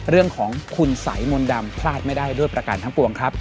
เรื่องของคุณสัยมนต์ดำพลาดไม่ได้ด้วยประกันทั้งปวงครับ